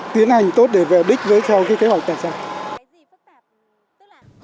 tiến hành tốt để về đích với theo cái kế hoạch đặt ra